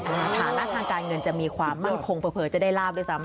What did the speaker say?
แล้วมึงกะอ่างหน้าทางการเงินจะมีความมั่งโคงเผลอจะได้ราบด้วยซ้ำ